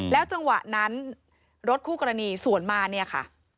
แล้วจังหวะนั้นรถคู่กรณีสวนมา